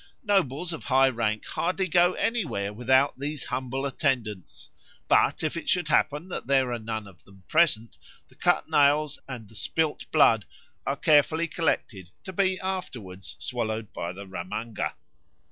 Nobles of high rank hardly go anywhere without these humble attendants; but if it should happen that there are none of them present, the cut nails and the spilt blood are carefully collected to be afterwards swallowed by the _ramanga.